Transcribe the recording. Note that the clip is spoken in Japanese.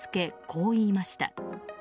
こう言いました。